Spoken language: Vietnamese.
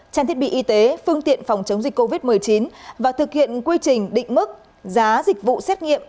trang thiết bị y tế phương tiện phòng chống dịch covid một mươi chín và thực hiện quy trình định mức giá dịch vụ xét nghiệm